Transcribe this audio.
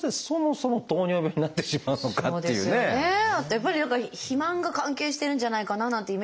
やっぱりだから肥満が関係してるんじゃないかななんてイメージも。